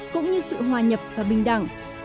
cũng như sự hòa nhập và bình đẳng